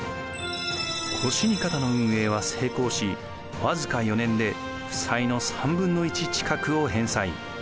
越荷方の運営は成功し僅か４年で負債の３分の１近くを返済。